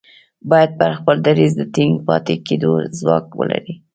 بايد پر خپل دريځ د ټينګ پاتې کېدو ځواک ولري.